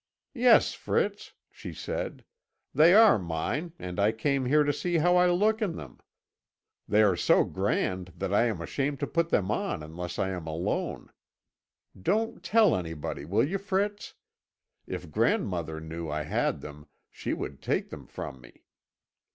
'Yes, Fritz,' she said, 'they are mine, and I came here to see how I look in them. They are so grand that I am ashamed to put them on unless I am alone. Don't tell anybody, will you, Fritz? If grandmother knew I had them, she would take them from me.